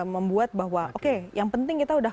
membuat bahwa oke yang penting kita udah